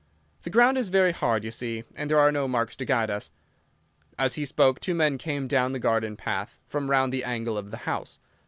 The ground is very hard, you see, and there are no marks to guide us." As he spoke two men came down the garden path, from round the angle of the house.